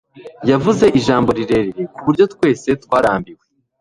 Yavuze ijambo rirerire kuburyo twese twarambiwe.